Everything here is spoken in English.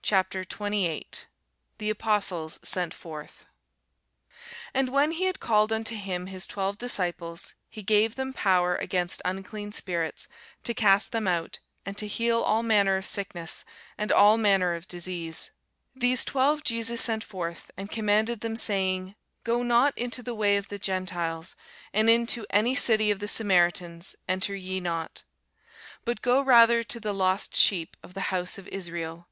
CHAPTER 28 THE APOSTLES SENT FORTH AND when he had called unto him his twelve disciples, he gave them power against unclean spirits, to cast them out, and to heal all manner of sickness and all manner of disease. These twelve Jesus sent forth, and commanded them, saying, Go not into the way of the Gentiles, and into any city of the Samaritans enter ye not: but go rather to the lost sheep of the house of Israel.